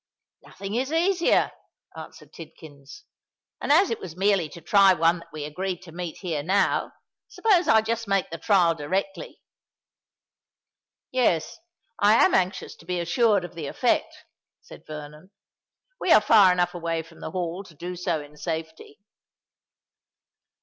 "Nothing is easier," answered Tidkins. "And as it was merely to try one that we agreed to meet here now, suppose I just make the trial directly?" "Yes—I am anxious to be assured of the effect," said Vernon. "We are far enough away from the Hall to do so in safety."